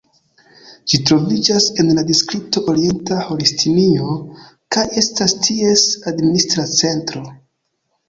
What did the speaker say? Ĝi troviĝas en la distrikto Orienta Holstinio, kaj estas ties administra centro.